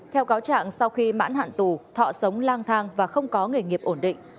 theo cáo trạng sau khi mãn hạn tù thọ sống lang thang và không có nghề nghiệp ổn định